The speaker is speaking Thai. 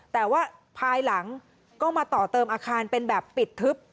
แต่ว่าภายหลังก็มาต่อเติมอาคารเป็นแบบปิดทึบ